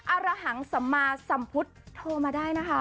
ระหังสัมมาสัมพุทธโทรมาได้นะคะ